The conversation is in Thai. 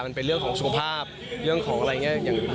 มันเป็นเรื่องของสุขภาพเรื่องของอะไรอย่างนี้